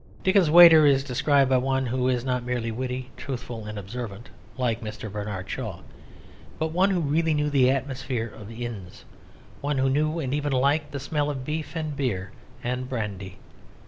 Dickens's waiter is described by one who is not merely witty, truthful, and observant, like Mr. Bernard Shaw, but one who really knew the atmosphere of inns, one who knew and even liked the smell of beef, and beer, and brandy.